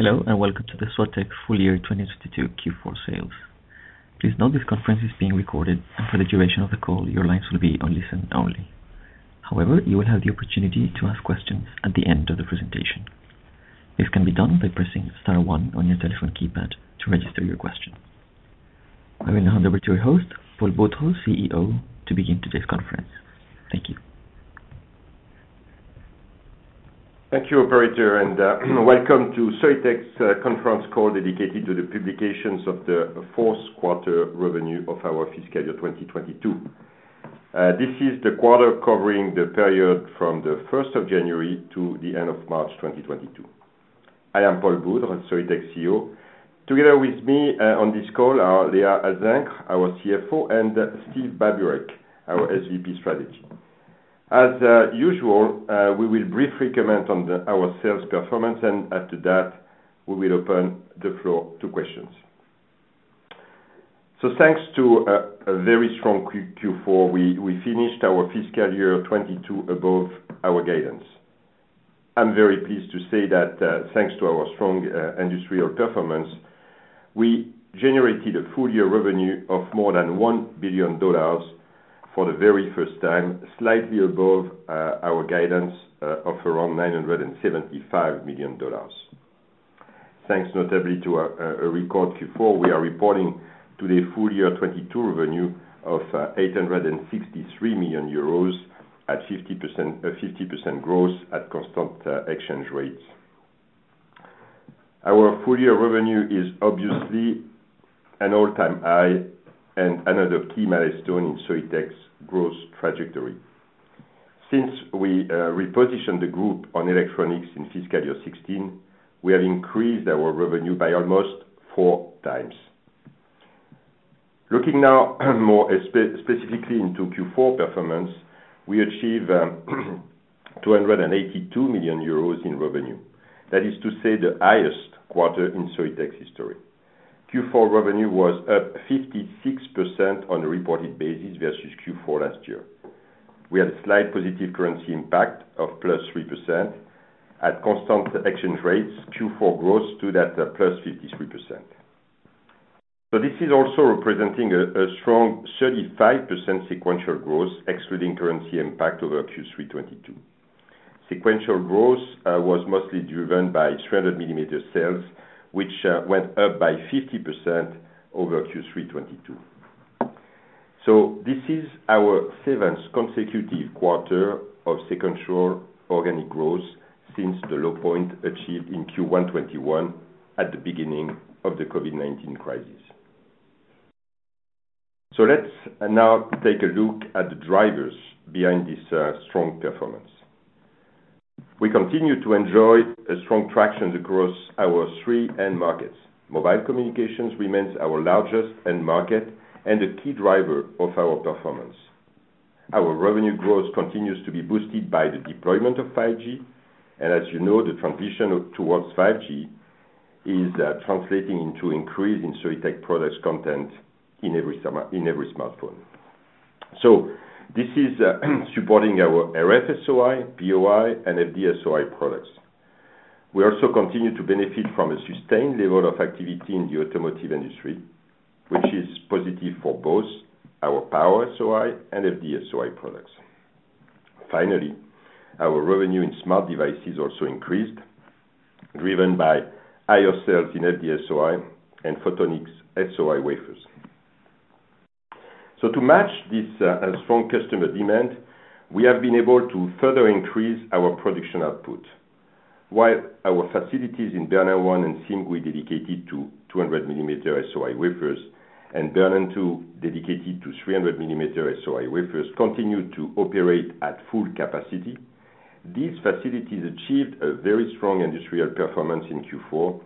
Hello, and welcome to the Soitec Full Year 2022 Q4 Sales. Please note this conference is being recorded and for the duration of the call, your lines will be on listen-only. However, you will have the opportunity to ask questions at the end of the presentation. This can be done by pressing star one on your telephone keypad to register your question. I will hand over to your host, Paul Boudre, CEO, to begin today's conference. Thank you. Thank you, operator, and welcome to Soitec's conference call dedicated to the publication of the fourth quarter revenue of our fiscal year 2022. This is the quarter covering the period from the first of January to the end of March 2022. I am Paul Boudre, Soitec's CEO. Together with me on this call are Léa Alzingre, our CFO, and Steve Babureck, our SVP Strategy. As usual, we will briefly comment on our sales performance, and after that, we will open the floor to questions. Thanks to a very strong Q4, we finished our fiscal year 2022 above our guidance. I'm very pleased to say that, thanks to our strong industry performance, we generated a full year revenue of more than $1 billion for the very first time, slightly above our guidance of around $975 million. Thanks notably to a record Q4, we are reporting today full year 2022 revenue of 863 million euros at 50% growth at constant exchange rates. Our full year revenue is obviously an all-time high and another key milestone in Soitec's growth trajectory. Since we repositioned the group on electronics in fiscal year 2016, we have increased our revenue by almost four times. Looking now more specifically into Q4 performance, we achieved 282 million euros in revenue. That is to say the highest quarter in Soitec's history. Q4 revenue was up 56% on a reported basis versus Q4 last year. We had a slight positive currency impact of +3%. At constant exchange rates, Q4 growth stood at +53%. This is also representing a strong 35% sequential growth, excluding currency impact over Q3 2022. Sequential growth was mostly driven by 300-millimeter sales, which went up by 50% over Q3 2022. This is our seventh consecutive quarter of sequential organic growth since the low point achieved in Q1 2021 at the beginning of the COVID-19 crisis. Let's now take a look at the drivers behind this strong performance. We continue to enjoy a strong traction across our three end markets. Mobile communications remains our largest end market and a key driver of our performance. Our revenue growth continues to be boosted by the deployment of 5G, and as you know, the transition towards 5G is translating into increase in Soitec products content in every smartphone. This is supporting our RF-SOI, POI, and FD-SOI products. We also continue to benefit from a sustained level of activity in the automotive industry, which is positive for both our Power-SOI and FD-SOI products. Finally, our revenue in smart devices also increased, driven by higher sales in FD-SOI and Photonics-SOI wafers. To match this strong customer demand, we have been able to further increase our production output. While our facilities in Bernin 1 and Simgui dedicated to 200-millimeter SOI wafers, and Bernin 2 dedicated to 300-millimeter SOI wafers, continue to operate at full capacity. These facilities achieved a very strong industrial performance in Q4,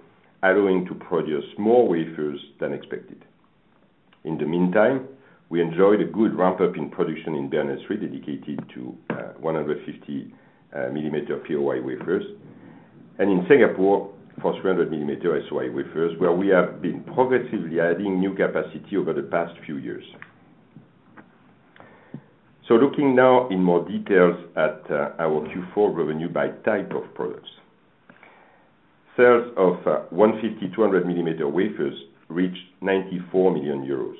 allowing to produce more wafers than expected. In the meantime, we enjoyed a good ramp-up in production in Bernin 3, dedicated to 150-millimeter POI wafers. In Singapore, for 300-millimeter SOI wafers, where we have been progressively adding new capacity over the past few years. Looking now in more details at our Q4 revenue by type of products. Sales of 150- and 200-millimeter wafers reached 94 million euros.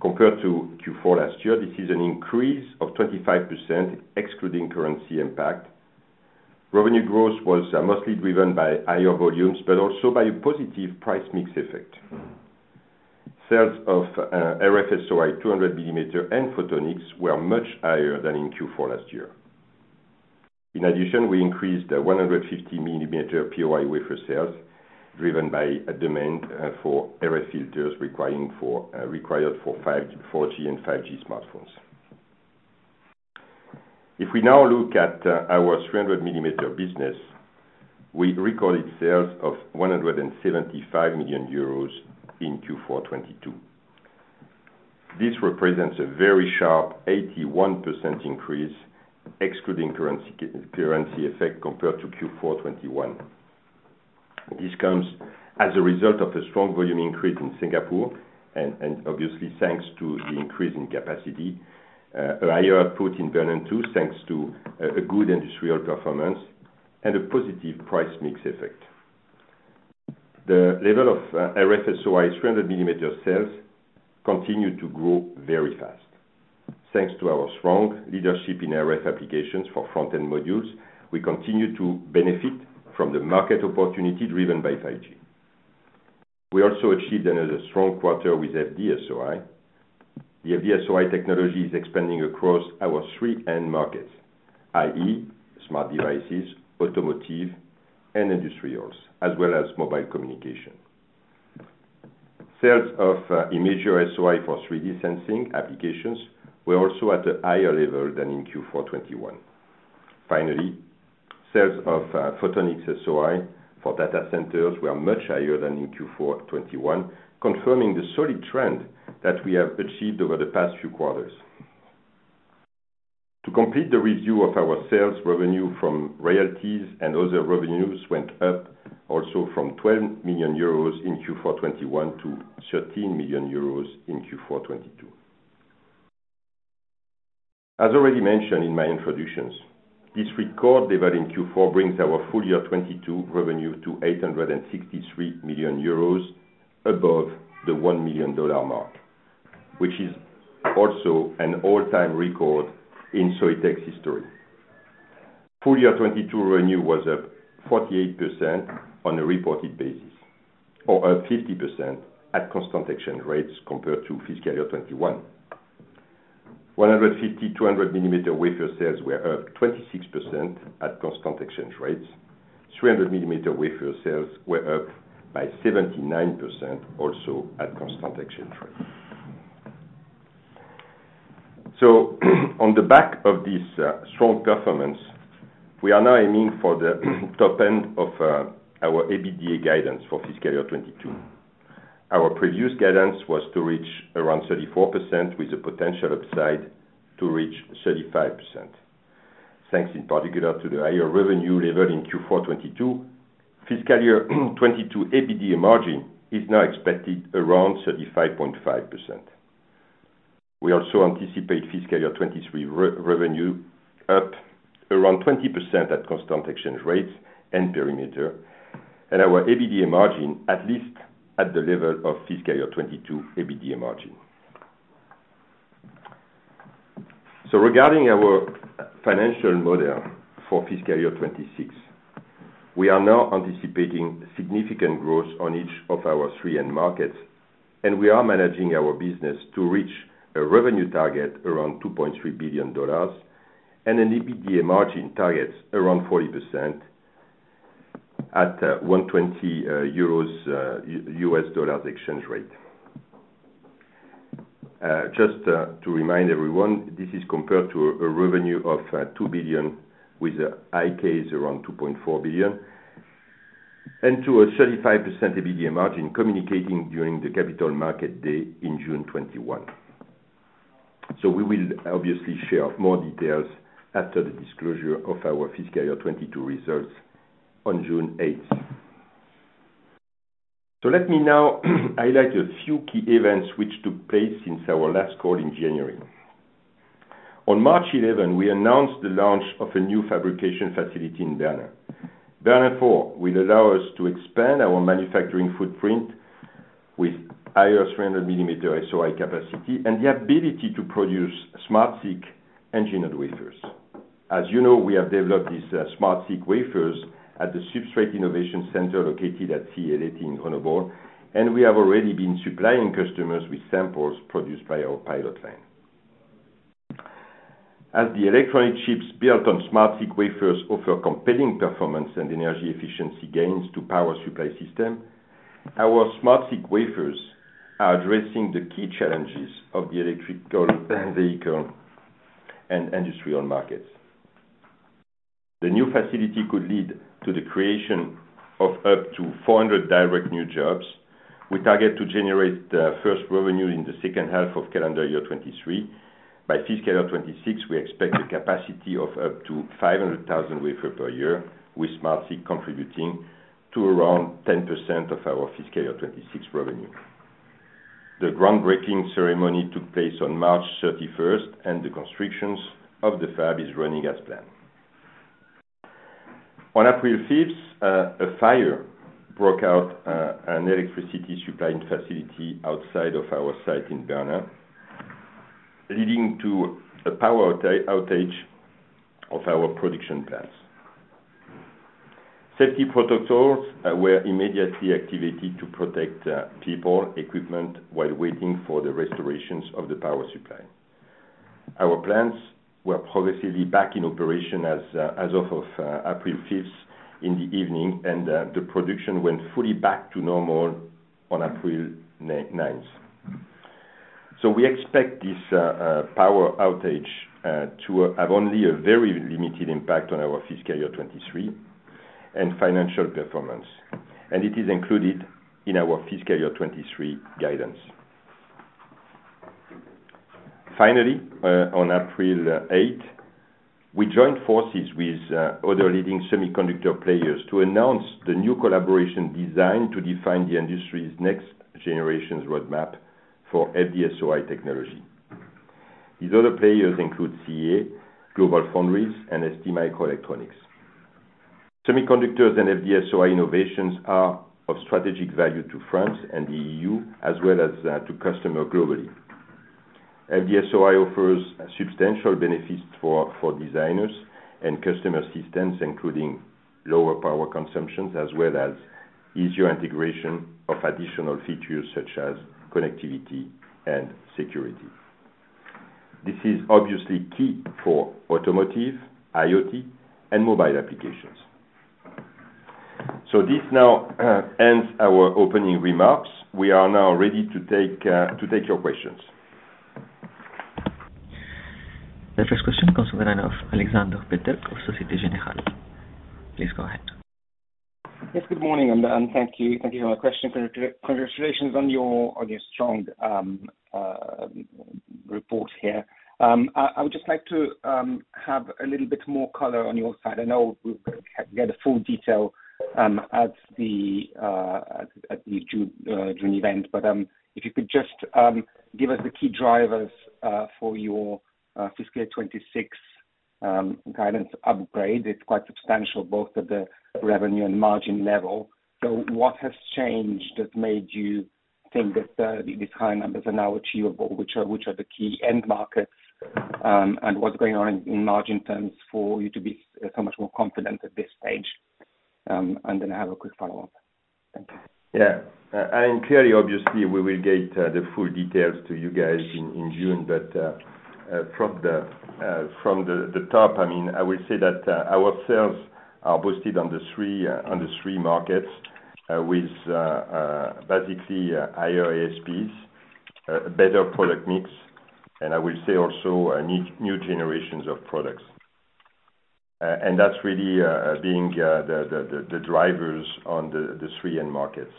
Compared to Q4 last year, this is an increase of 25%, excluding currency impact. Revenue growth was mostly driven by higher volumes, but also by a positive price mix effect. Sales of RF SOI, 200-millimeter, and photonics were much higher than in Q4 last year. In addition, we increased 150-millimeter POI wafer sales, driven by a demand for RF filters required for 4G and 5G smartphones. If we now look at our 300-millimeter business, we recorded sales of 175 million euros in Q4 2022. This represents a very sharp 81% increase, excluding currency effect compared to Q4 2021. This comes as a result of the strong volume increase in Singapore and obviously thanks to the increase in capacity, a higher output in Bernin 2, thanks to a good industrial performance and a positive price mix effect. The level of RF SOI 300-millimeter sales continued to grow very fast. Thanks to our strong leadership in RF applications for front-end modules, we continue to benefit from the market opportunity driven by 5G. We also achieved another strong quarter with FD-SOI. The FD-SOI technology is expanding across our three end markets, i.e., smart devices, automotive, and industrials, as well as mobile communication. Sales of Imager-SOI for 3D sensing applications were also at a higher level than in Q4 2021. Finally, sales of Photonics-SOI for data centers were much higher than in Q4 2021, confirming the solid trend that we have achieved over the past few quarters. To complete the review of our sales, revenue from royalties and other revenues went up also from 12 million euros in Q4 2021 to 13 million euros in Q4 2022. As already mentioned in my introduction, this record high in Q4 brings our full year 2022 revenue to 863 million euros above the $1 million mark, which is also an all-time record in Soitec's history. Full year 2022 revenue was up 48% on a reported basis, or up 50% at constant exchange rates compared to fiscal year 2021. 150/200 millimeter wafer sales were up 26% at constant exchange rates. 300 millimeter wafer sales were up by 79% also at constant exchange rates. On the back of this strong performance, we are now aiming for the top end of our EBITDA guidance for fiscal year 2022. Our previous guidance was to reach around 34% with a potential upside to reach 35%. Thanks in particular to the higher revenue level in Q4 2022, fiscal year 2022 EBITDA margin is now expected around 35.5%. We also anticipate fiscal year 2023 revenue up around 20% at constant exchange rates and perimeter, and our EBITDA margin, at least at the level of fiscal year 2022 EBITDA margin. Regarding our financial model for fiscal year 2026, we are now anticipating significant growth on each of our three end markets, and we are managing our business to reach a revenue target around $2.3 billion and an EBITDA margin target around 40% at 1.20 EUR/USD exchange rate. Just to remind everyone, this is compared to a revenue of $2 billion, with the ICAs around $2.4 billion, and to a 35% EBITDA margin communicated during the capital market day in June 2021. We will obviously share more details after the disclosure of our fiscal year 2022 results on June 8th. Let me now highlight a few key events which took place since our last call in January. On March 11, we announced the launch of a new fabrication facility in Bernin. Bernin 4 will allow us to expand our manufacturing footprint with higher 300-millimeter SOI capacity and the ability to produce SmartSiC engineered wafers. As you know, we have developed these SmartSiC wafers at the Substrate Innovation Center located at CEA-Leti in Grenoble, and we have already been supplying customers with samples produced by our pilot line. As the electronic chips built on SmartSiC wafers offer compelling performance and energy efficiency gains to power supply system, our SmartSiC wafers are addressing the key challenges of the electric vehicle and industrial markets. The new facility could lead to the creation of up to 400 direct new jobs. We target to generate first revenue in the second half of calendar year 2023. By fiscal year 2026, we expect a capacity of up to 500,000 wafer per year, with SmartSiC contributing to around 10% of our fiscal year 2026 revenue. The groundbreaking ceremony took place on March 31st, and the construction of the fab is running as planned. On April 5th, a fire broke out, an electricity supplying facility outside of our site in Bernin, leading to a power outage of our production plants. Safety protocols were immediately activated to protect people, equipment, while waiting for the restoration of the power supply. Our plants were progressively back in operation as of April 5th in the evening, and the production went fully back to normal on April 9th. We expect this power outage to have only a very limited impact on our fiscal year 2023 and financial performance, and it is included in our fiscal year 2023 guidance. Finally, on April 8th, we joined forces with other leading semiconductor players to announce the new collaboration design to define the industry's next generation's roadmap for FD-SOI technology. These other players include CEA, GlobalFoundries, and STMicroelectronics. Semiconductors and FD-SOI innovations are of strategic value to France and the EU as well as to customers globally. FD-SOI offers substantial benefits for designers and customer systems, including lower power consumption, as well as easier integration of additional features such as connectivity and security. This is obviously key for automotive, IoT, and mobile applications. This now ends our opening remarks. We are now ready to take your questions. The first question comes from the line of Aleksander Peterc from Société Générale. Please go ahead. Yes, good morning, thank you. Thank you for my question. Congratulations on your strong report here. I would just like to have a little bit more color on your side. I know we'll get a full detail at the June event, but if you could just give us the key drivers for your fiscal 2026 guidance upgrade. It's quite substantial, both at the revenue and margin level. What has changed that made you think that these high numbers are now achievable? Which are the key end markets, and what's going on in margin terms for you to be so much more confident at this stage? I have a quick follow-up. Thank you. Clearly, obviously, we will get the full details to you guys in June, but from the top, I mean, I will say that our sales are boosted on the three markets with basically higher ASPs, better product mix, and I will say also new generations of products. That's really the drivers on the end markets.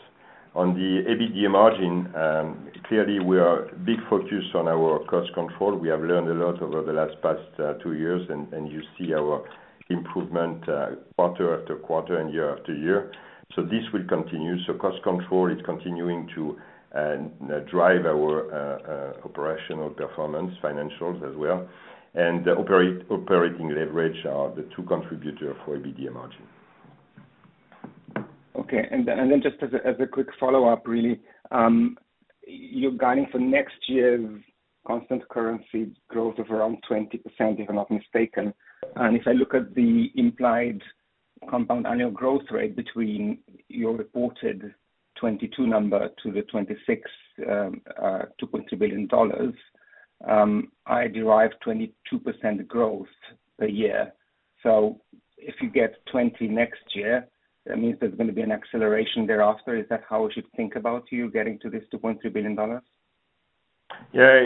On the EBITDA margin, clearly, we are very focused on our cost control. We have learned a lot over the past two years, and you see our improvement quarter after quarter and year after year. This will continue. Cost control is continuing to drive our operational performance and financials as well. The operating leverage are the two contributors for EBITDA margin. Okay. Just as a quick follow-up, really, you're guiding for next year's constant currency growth of around 20%, if I'm not mistaken. If I look at the implied compound annual growth rate between your reported 2022 number to the 2026, $2.2 billion, I derive 22% growth a year. If you get 20 next year, that means there's gonna be an acceleration thereafter. Is that how I should think about you getting to this $2.2 billion? Yeah,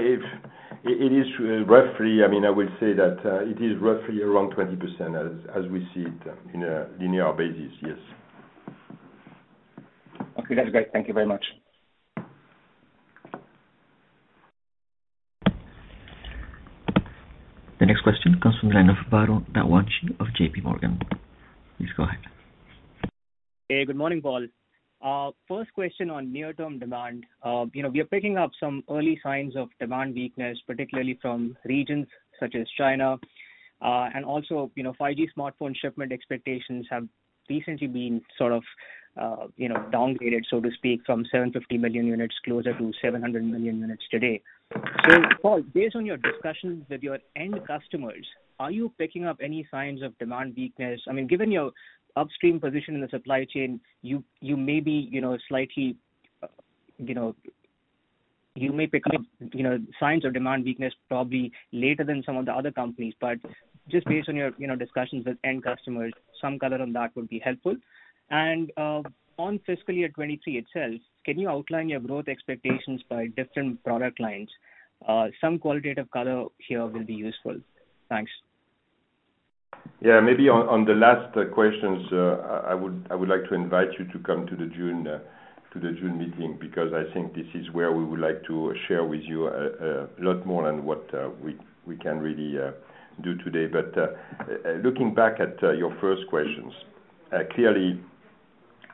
it is roughly. I mean, I will say that, it is roughly around 20% as we see it in a linear basis, yes. Okay, that's great. Thank you very much. The next question comes from the line of Varun Rajwade of JPMorgan. Please go ahead. Hey, good morning, Paul. First question on near-term demand. You know, we are picking up some early signs of demand weakness, particularly from regions such as China. And also, you know, 5G smartphone shipment expectations have recently been sort of, you know, downgraded, so to speak, from 750 million units closer to 700 million units today. Paul, based on your discussions with your end customers, are you picking up any signs of demand weakness? I mean, given your upstream position in the supply chain, you may be, you know, slightly, you know, you may pick up, you know, signs of demand weakness probably later than some of the other companies. But just based on your, you know, discussions with end customers, some color on that would be helpful. On fiscal year 2023 itself, can you outline your growth expectations by different product lines? Some qualitative color here will be useful. Thanks. Yeah. Maybe on the last questions, I would like to invite you to come to the June meeting, because I think this is where we would like to share with you a lot more than what we can really do today. Looking back at your first questions, clearly,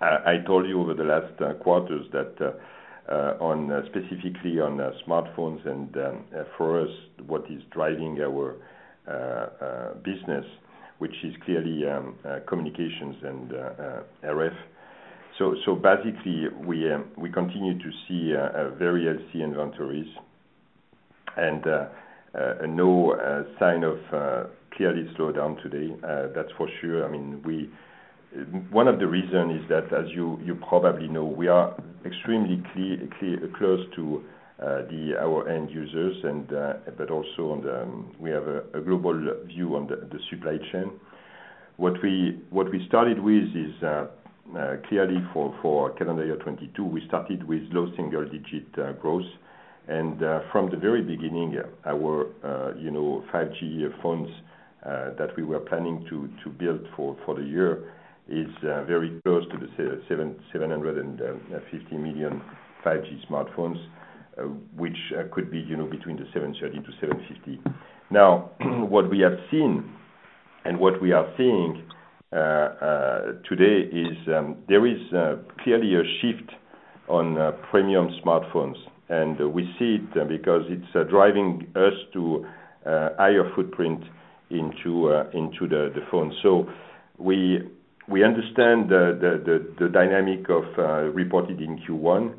I told you over the last quarters that specifically on smartphones and for us, what is driving our business, which is clearly communications and RF. Basically we continue to see very healthy inventories and no sign of clear slowdown today. That's for sure. I mean, one of the reasons is that, as you probably know, we are extremely close to our end users and but also we have a global view on the supply chain. What we started with is clearly for calendar year 2022, we started with low single-digit growth. From the very beginning, our you know, 5G phones that we were planning to build for the year is very close to the 750 million 5G smartphones, which could be you know, between 730-750. Now, what we have seen and what we are seeing today is there is clearly a shift on premium smartphones, and we see it because it's driving us to higher footprint into the phone. We understand the dynamic of reported in Q1.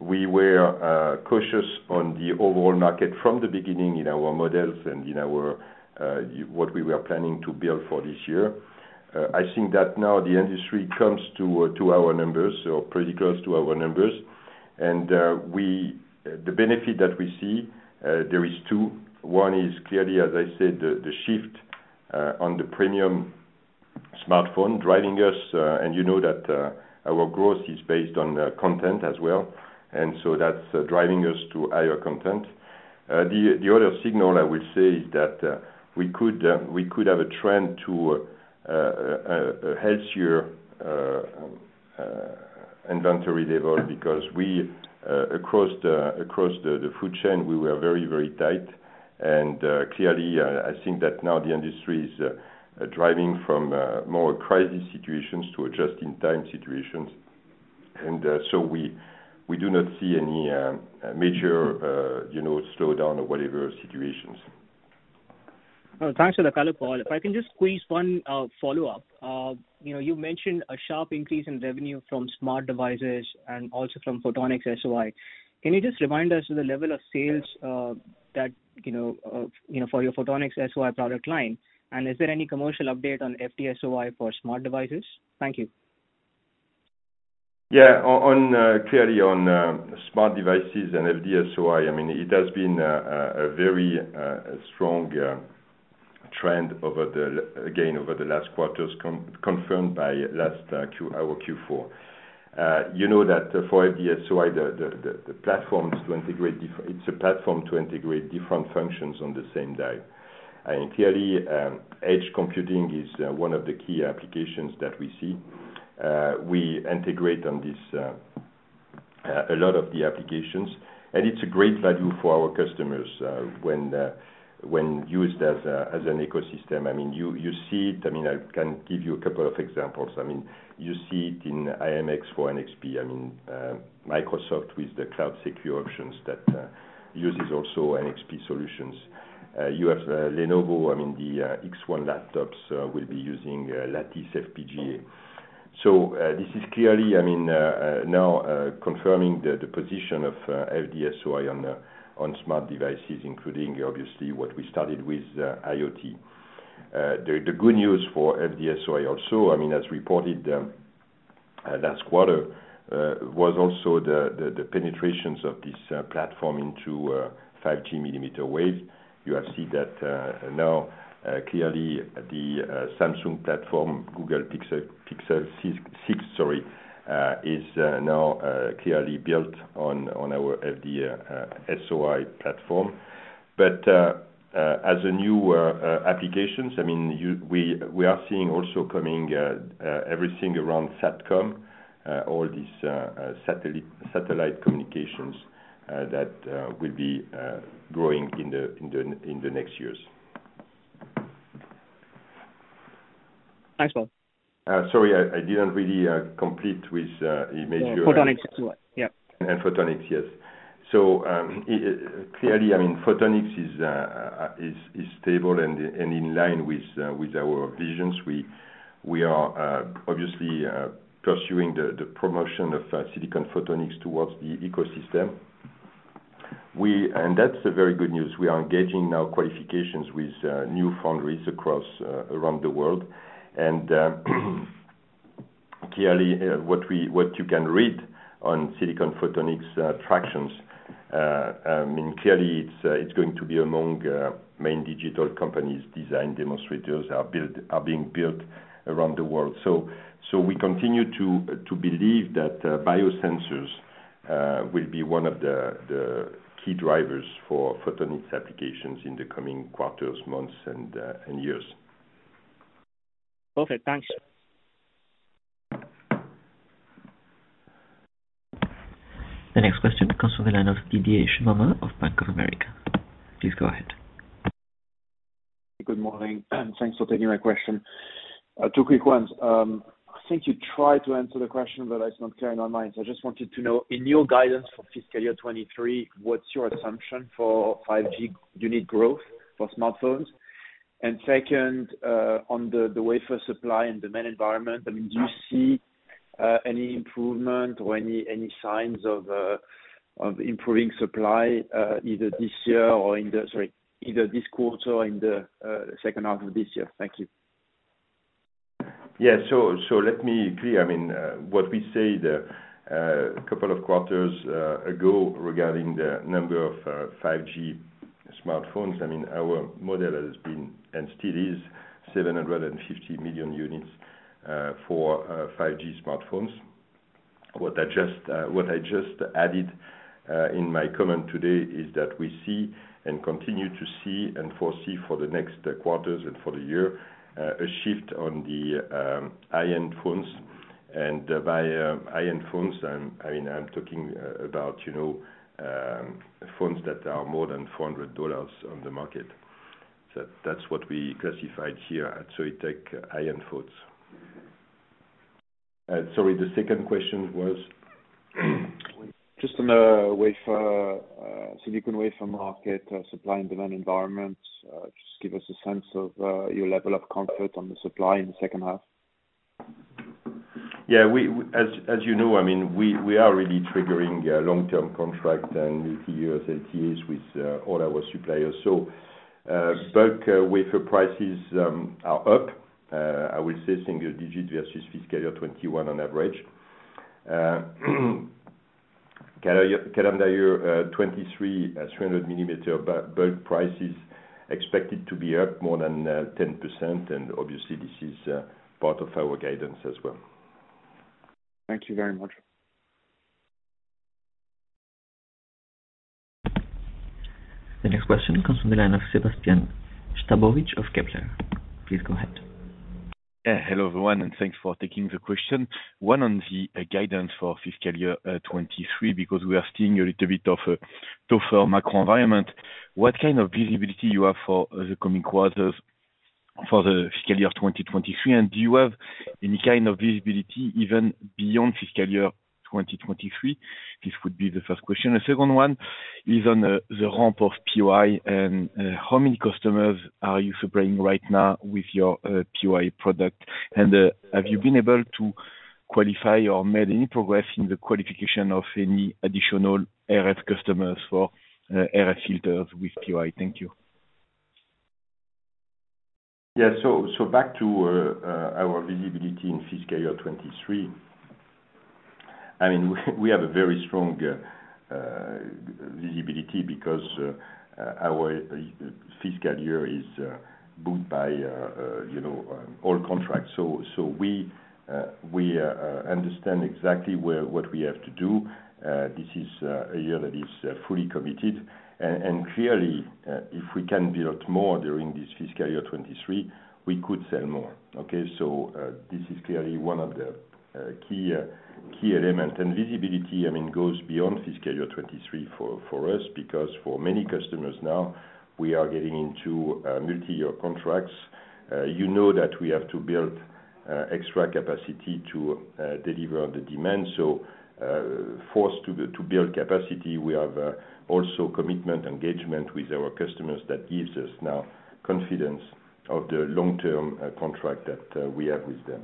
We were cautious on the overall market from the beginning in our models and in our what we were planning to build for this year. I think that now the industry comes to our numbers, or pretty close to our numbers. The benefit that we see there is two. One is clearly, as I said, the shift on the premium smartphone driving us. You know that our growth is based on content as well. That's driving us to higher content. The other signal I will say is that we could have a trend to a healthier inventory level because we across the supply chain were very tight. Clearly, I think that now the industry is driving from more crisis situations to just-in-time situations. We do not see any major, you know, slowdown or whatever situations. Oh, thanks for the color, Paul. If I can just squeeze one follow-up. You know, you mentioned a sharp increase in revenue from smart devices and also from photonics SOI. Can you just remind us of the level of sales for your photonics SOI product line? Is there any commercial update on FD-SOI for smart devices? Thank you. Yeah. Clearly on smart devices and FDSOI, I mean, it has been a very strong trend over the last quarters confirmed by our last Q4. You know that for FDSOI, it's a platform to integrate different functions on the same die. Clearly, edge computing is one of the key applications that we see. We integrate on this a lot of the applications, and it's a great value for our customers when used as an ecosystem. I mean, you see it. I mean, I can give you a couple of examples. I mean, you see it in i.MX for NXP. I mean, Microsoft with the cloud secure options that uses also NXP solutions. You have Lenovo, I mean, the X1 laptops will be using Lattice FPGA. This is clearly, I mean, now confirming the position of FDSOI on smart devices, including obviously what we started with, IoT. The good news for FDSOI also, I mean, as reported last quarter, was also the penetrations of this platform into 5G millimeter wave. You have seen that now clearly the Samsung platform, Google Pixel 6, sorry, is now clearly built on our FD-SOI platform. As new applications, I mean, we are seeing also coming everything around SATCOM, all these satellite communications that will be growing in the next years. Thanks, Paul. Sorry, I didn't really complete with you mentioned. Photonics SOI. Yeah. Photonics, yes. Clearly, I mean, photonics is stable and in line with our visions. We are obviously pursuing the promotion of silicon photonics towards the ecosystem. That's the very good news. We are engaging now qualifications with new foundries around the world. Clearly, what you can read on silicon photonics tractions. I mean, clearly it's going to be among main digital companies' design demonstrators are being built around the world. We continue to believe that biosensors will be one of the key drivers for photonics applications in the coming quarters, months and years. Perfect. Thanks. The next question comes from the line of Didier Scemama of Bank of America. Please go ahead. Good morning, and thanks for taking my question. Two quick ones. I think you tried to answer the question, but it's not clear in my mind. I just wanted to know, in your guidance for fiscal year 2023, what's your assumption for 5G unit growth for smartphones? And second, on the wafer supply and demand environment, I mean, do you see any improvement or any signs of improving supply, either this quarter or in the second half of this year? Thank you. Let me be clear. I mean, what we said a couple of quarters ago regarding the number of 5G smartphones, our model has been, and still is, 750 million units for 5G smartphones. What I just added in my comment today is that we see and continue to see and foresee for the next quarters and for the year a shift on the high-end phones. By high-end phones, I mean, I'm talking about, you know, phones that are more than $400 on the market. So that's what we classified here at Soitec high-end phones. Sorry, the second question was? Just on the silicon wafer market, supply, and demand environment. Just give us a sense of your level of comfort on the supply in the second half. Yeah. As you know, I mean, we are really triggering a long-term contract and multiyear agreements with all our suppliers. Bulk wafer prices are up, I will say, single-digit versus fiscal year 2021 on average. Calendar year 2023, 300-millimeter bulk prices expected to be up more than 10%, and obviously this is part of our guidance as well. Thank you very much. The next question comes from the line of Sébastien Sztabowicz of Kepler. Please go ahead. Yeah. Hello, everyone, and thanks for taking the question. One on the guidance for fiscal year 2023, because we are seeing a little bit of a tougher macro environment. What kind of visibility you have for the coming quarters for the fiscal year of 2023? And do you have any kind of visibility even beyond fiscal year 2023? This would be the first question. The second one is on the ramp of POI, and how many customers are you supplying right now with your POI product? And have you been able to qualify or made any progress in the qualification of any additional RF customers for RF filters with POI? Thank you. Back to our visibility in fiscal year 2023. I mean, we have a very strong visibility because our fiscal year is booked by all contracts. We understand exactly what we have to do. This is a year that is fully committed. Clearly, if we can build more during this fiscal year 2023, we could sell more. This is clearly one of the key element. Visibility, I mean, goes beyond fiscal year 2023 for us because for many customers now, we are getting into multi-year contracts. You know that we have to build extra capacity to deliver the demand. Forced to build capacity, we have also commitment, engagement with our customers that gives us now confidence of the long-term contract that we have with them.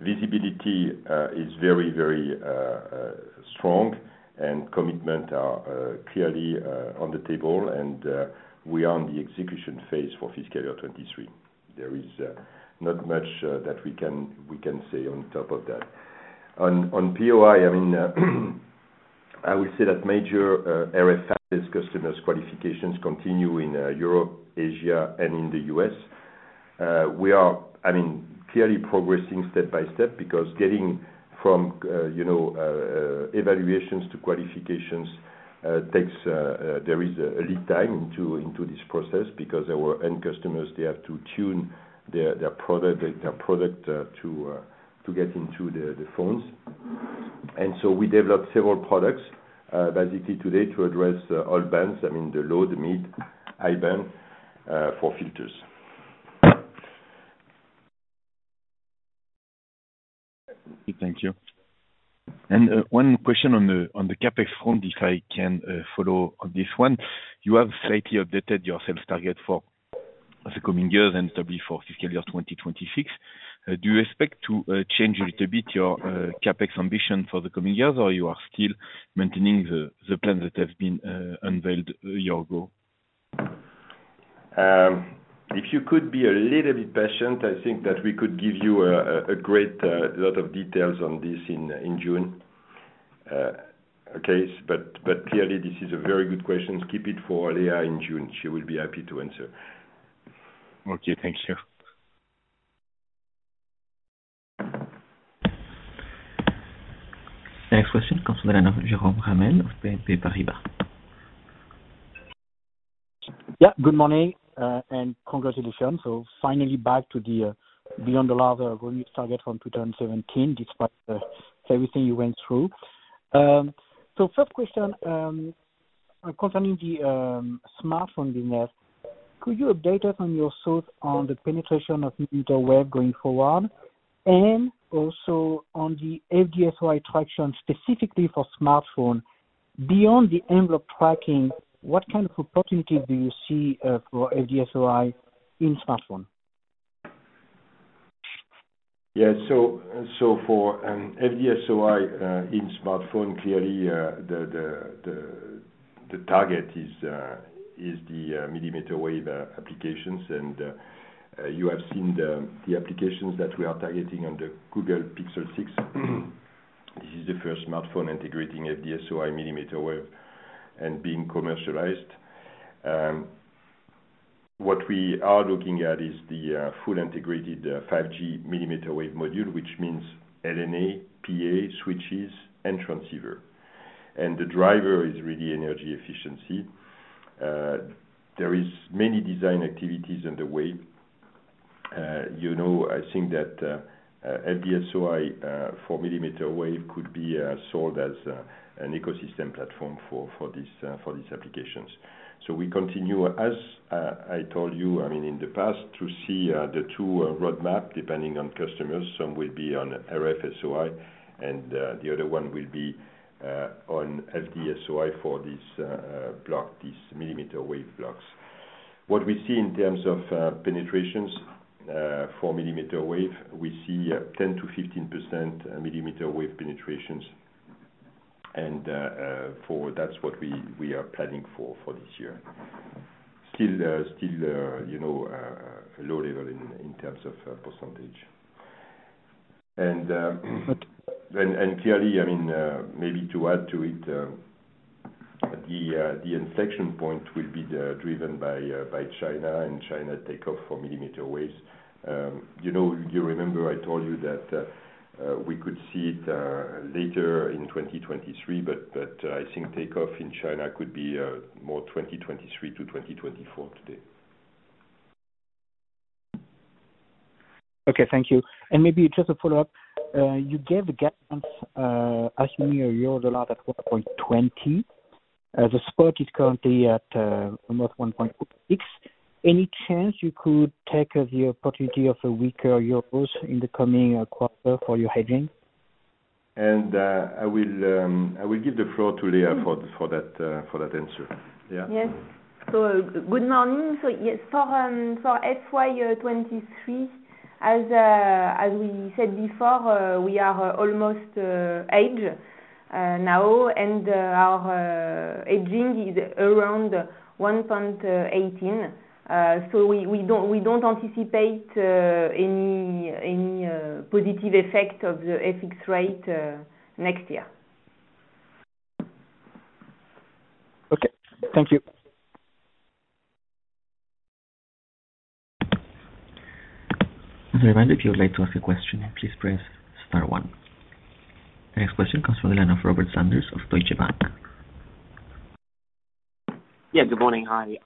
Visibility is very strong and commitment are clearly on the table and we are on the execution phase for fiscal year 2023. There is not much that we can say on top of that. On POI, I mean, I will say that major RF customers qualifications continue in Europe, Asia and in the US. We are, I mean, clearly progressing step by step because getting from, you know, evaluations to qualifications takes. There is a lead time into this process because our end customers they have to tune their product to get into the phones. We developed several products, basically today to address all bands, I mean, the low, the mid, high band, for filters. Thank you. One question on the CapEx front, if I can follow on this one. You have slightly updated your sales target for the coming years and for fiscal year 2026. Do you expect to change a little bit your CapEx ambition for the coming years, or are you still maintaining the plan that has been unveiled a year ago? If you could be a little bit patient, I think that we could give you a great lot of details on this in June. Okay? Clearly this is a very good question. Keep it for Léa in June. She will be happy to answer. Okay. Thank you. Next question comes from the line of Jerome Ramel of BNP Paribas. Yeah. Good morning, and congratulations. Finally back above the long-term target from 2017, despite everything you went through. First question, concerning the smartphone business. Could you update us on your thoughts on the penetration of millimeter wave going forward? And also on the FD-SOI traction specifically for smartphone. Beyond the envelope tracking, what kind of opportunity do you see for FD-SOI in smartphone? For FD-SOI in smartphone, clearly the target is the millimeter wave applications. You have seen the applications that we are targeting on the Google Pixel 6. This is the first smartphone integrating FD-SOI millimeter wave and being commercialized. What we are looking at is the full integrated 5G millimeter wave module, which means LNA, PA, switches, and transceiver. The driver is really energy efficiency. There is many design activities underway. You know, I think that FD-SOI for millimeter wave could be sold as an ecosystem platform for these applications. We continue, as I told you, I mean, in the past to see the two roadmap depending on customers. Some will be on RF-SOI and the other one will be on FD-SOI for this block, these millimeter wave blocks. What we see in terms of penetrations for millimeter wave, we see 10%-15% millimeter wave penetrations. That's what we are planning for this year. Still, you know, low level in terms of percentage. Clearly, I mean, maybe to add to it, the inflection point will be driven by China and China take off for millimeter waves. You know, you remember I told you that we could see it later in 2023, but I think takeoff in China could be more 2023 to 2024 today. Okay. Thank you. Maybe just a follow-up. You gave a guidance, assuming a euro dollar at 1.20. The spot is currently at almost 1.06. Any chance you could take the opportunity of a weaker euro in the coming quarter for your hedging? I will give the floor to Léa for that answer. Yeah. Good morning. Yes, for FY 2023, as we said before, we are almost hedged now, and our hedging is around 1.18. We don't anticipate any positive effect of the FX rate next year. Okay. Thank you. As a reminder, if you would like to ask a question, please press star one. Next question comes from the line of Robert Sanders of Deutsche Bank. Yeah, good morning. Hi.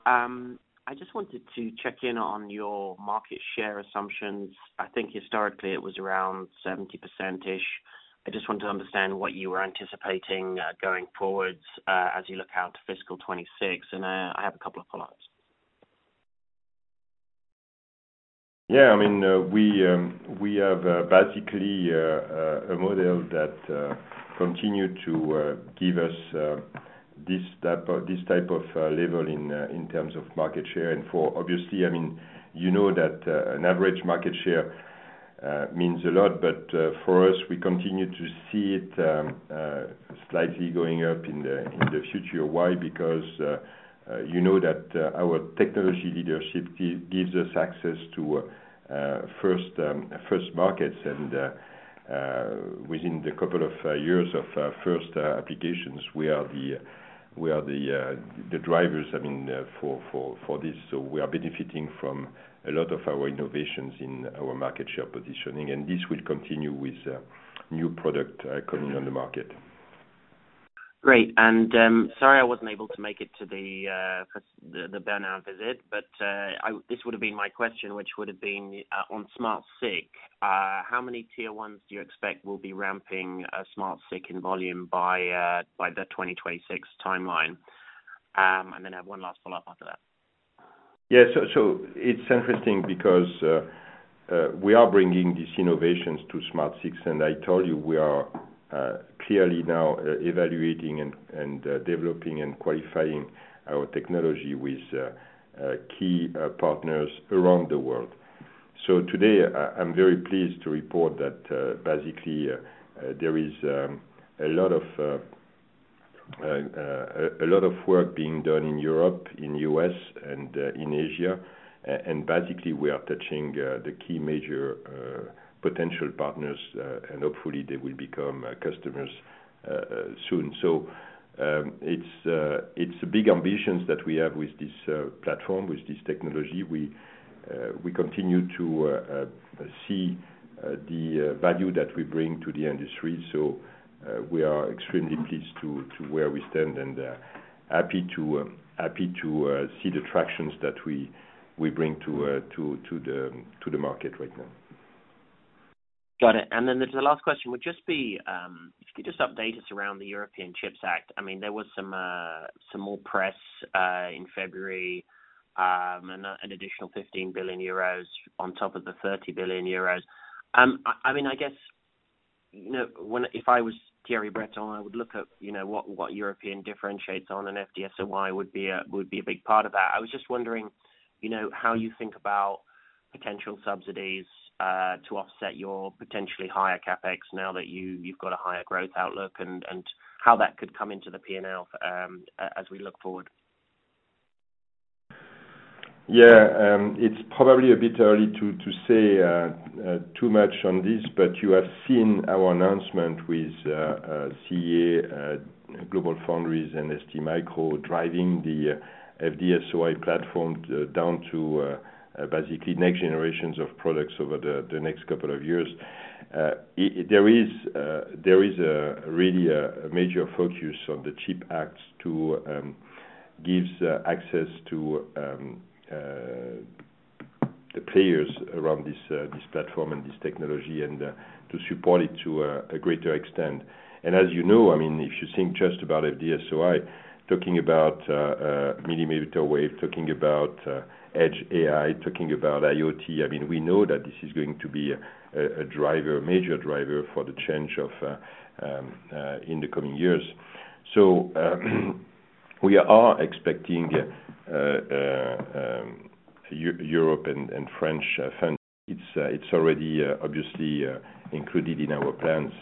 I just wanted to check in on your market share assumptions. I think historically it was around 70%-ish. I just want to understand what you are anticipating, going forward, as you look out to fiscal 2026. I have a couple of follow-ups. Yeah. I mean, we have basically a model that continue to give us this type of level in terms of market share. For obviously, I mean, you know that an average market share means a lot, but for us, we continue to see it slightly going up in the future. Why? Because you know that our technology leadership gives us access to first markets and within the couple of years of first applications, we are the drivers, I mean, for this. We are benefiting from a lot of our innovations in our market share positioning, and this will continue with new product coming on the market. Great. Sorry, I wasn't able to make it to the Bernin visit, but this would have been my question, which would have been on SmartSiC. How many tier ones do you expect will be ramping SmartSiC in volume by the 2026 timeline? I have one last follow-up after that. Yeah. It's interesting because we are bringing these innovations to SmartSiC, and I told you we are clearly now evaluating and developing and qualifying our technology with key partners around the world. Today I'm very pleased to report that basically there is a lot of work being done in Europe, in U.S., and in Asia. Basically we are touching the key major potential partners, and hopefully they will become customers soon. It's big ambitions that we have with this platform, with this technology. We continue to see the value that we bring to the industry. We are extremely pleased to where we stand and happy to see the traction that we bring to the market right now. Got it. The last question would just be, if you could just update us around the European Chips Act. I mean, there was some more press in February, an additional 15 billion euros on top of the 30 billion euros. I mean, I guess, you know, if I was Thierry Breton, I would look at, you know, what European differentiates on an FD-SOI would be a big part of that. I was just wondering, you know, how you think about potential subsidies to offset your potentially higher CapEx now that you've got a higher growth outlook and how that could come into the P&L as we look forward. Yeah. It's probably a bit early to say too much on this, but you have seen our announcement with CEA, GlobalFoundries and STMicro driving the FD-SOI platform down to basically next generations of products over the next couple of years. There is a really major focus on the European Chips Act to give access to the players around this platform and this technology and to support it to a greater extent. As you know, I mean, if you think just about FD-SOI, talking about millimeter wave, talking about Edge AI, talking about IoT, I mean, we know that this is going to be a major driver for the change in the coming years. We are expecting Europe and French funds. It's already obviously included in our plans.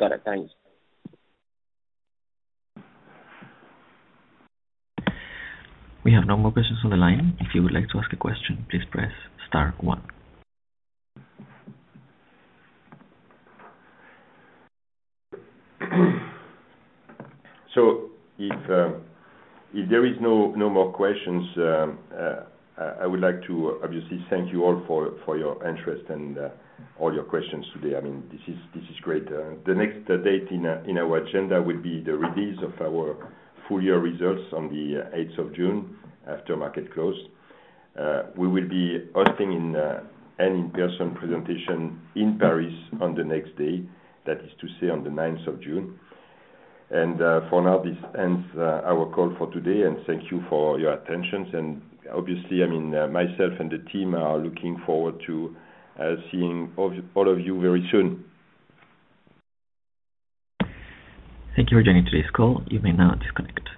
Got it. Thanks. We have no more questions on the line. If you would like to ask a question, please press star one. If there is no more questions, I would like to obviously thank you all for your interest and all your questions today. I mean, this is great. The next date in our agenda would be the release of our full year results on the eighth of June after market close. We will be hosting an in-person presentation in Paris on the next day. That is to say, on the 9th of June. For now, this ends our call for today, and thank you for your attention. Obviously, I mean, myself and the team are looking forward to seeing all of you very soon. Thank you for joining today's call. You may now disconnect.